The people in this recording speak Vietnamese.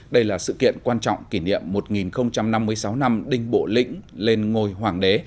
đây là sự kiện quan trọng kỷ niệm một nghìn năm mươi sáu năm đinh bộ lĩnh lên ngồi hoàng đế